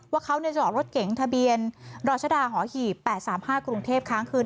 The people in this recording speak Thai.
ว่าเขาเนี่ยเจาะรถเก๋งทะเบียนรอชดาหอหี่แปดสามห้ากรุงเทพครั้งคืน